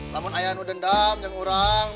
namun ayahmu dendam jangan urang